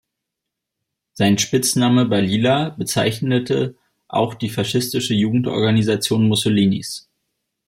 Sein Spitzname Balilla bezeichnete auch die faschistische Jugendorganisation Mussolinis.